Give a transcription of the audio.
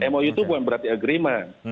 mou itu bukan berarti agreement